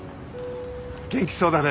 元気そうだね。